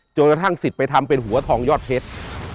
กระทั่งสิทธิ์ไปทำเป็นหัวทองยอดเพชร